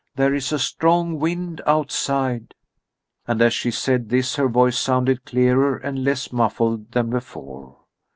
There is a strong wind outside." And as she said this her voice sounded clearer and less muffled than before.